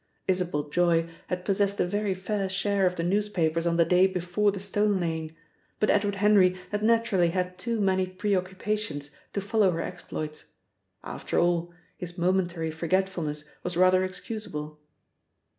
Isabel Joy had possessed a very fair share of the newspapers on the day before the stone laying, but Edward Henry had naturally had too many preoccupations to follow her exploits. After all, his momentary forgetfulness was rather excusable.